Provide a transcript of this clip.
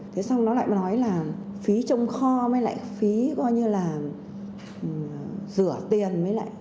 thế xong nó lại nói là phí trông kho mới lại phí gọi như là rửa tiền mới lại